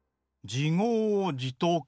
「じごうじとく」。